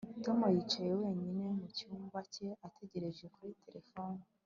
Tom yicaye wenyine mu cyumba cye ategereje kuri terefone